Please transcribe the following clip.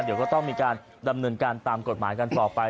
เดี๋ยวก็ต้องมีการดำเนินการตามกฎหมายกันต่อไป